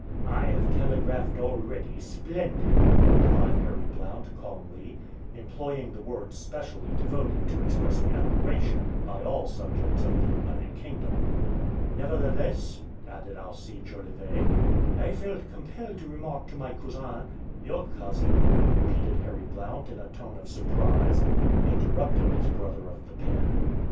"I have telegraphed already, 'splendid!'" replied Harry Blount calmly, employing the word specially devoted to expressing admiration by all subjects of the United Kingdom. "Nevertheless," added Alcide Jolivet, "I felt compelled to remark to my cousin " "Your cousin?" repeated Harry Blount in a tone of surprise, interrupting his brother of the pen.